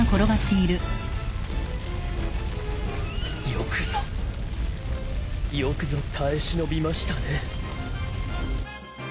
よくぞよくぞ耐え忍びましたね。